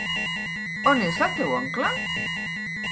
On és el teu oncle?